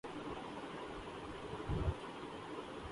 سی pack سے متصل علاقوں کو ذرخیز زون بنانے کی تجویز